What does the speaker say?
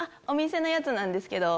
お店のやつなんです。